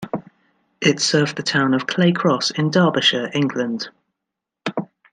It served the town of Clay Cross in Derbyshire, England.